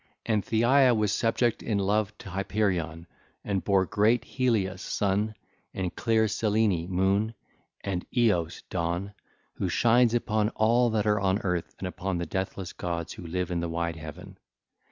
371 374) And Theia was subject in love to Hyperion and bare great Helius (Sun) and clear Selene (Moon) and Eos (Dawn) who shines upon all that are on earth and upon the deathless Gods who live in the wide heaven.